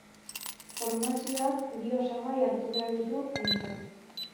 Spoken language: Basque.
Formazioak bi osagai hartu behar ditu aintzat.